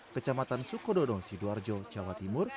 kecamatan sukododo sidoarjo jawa timur